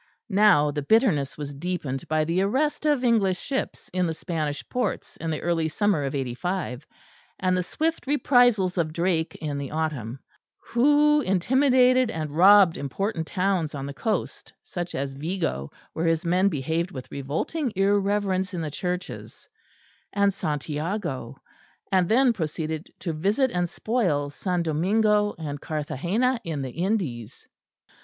Now the bitterness was deepened by the arrest of English ships in the Spanish ports in the early summer of '85, and the swift reprisals of Drake in the autumn; who intimidated and robbed important towns on the coast, such as Vigo, where his men behaved with revolting irreverence in the churches, and Santiago; and then proceeded to visit and spoil S. Domingo and Carthagena in the Indies.